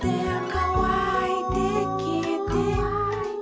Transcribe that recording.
「かわいてきえて」